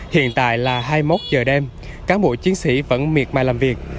hiện tại là hai mươi một giờ đêm cán bộ chiến sĩ vẫn miệt mài làm việc